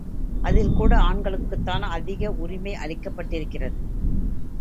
அதில் கூட ஆண்களுக்குத்தான் அதிக உரிமை அளிக்கப்பட்டிருக்கிறது.